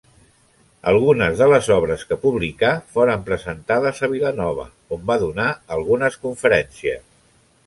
Algunes de les obres que publicà foren presentades a Vilanova, on va donar algunes conferències.